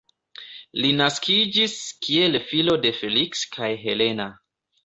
Li naskiĝis kiel filo de Feliks kaj Helena.